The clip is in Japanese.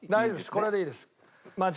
これでいいです。